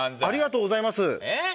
ありがとうございます。